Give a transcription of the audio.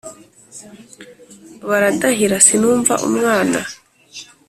baradahira sinumva umwana